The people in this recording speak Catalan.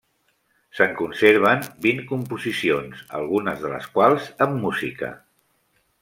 Se'n conserven vint composicions, algunes de les quals amb música.